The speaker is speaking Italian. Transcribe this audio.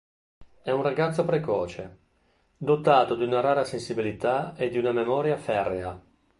È un ragazzo precoce, dotato di una rara sensibilità e di memoria ferrea.